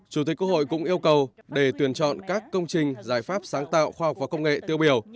chủ tịch quốc hội cũng yêu cầu để tuyển chọn các công trình giải pháp sáng tạo khoa học và công nghệ tiêu biểu